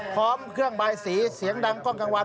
พร้อมเครื่องบายสีเสียงดังกล้องกลางวัน